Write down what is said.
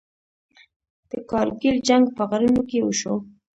د کارګیل جنګ په غرونو کې وشو.